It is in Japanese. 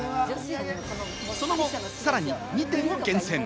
その後、さらに２点を厳選。